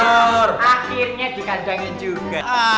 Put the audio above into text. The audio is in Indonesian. akhirnya dikajangin juga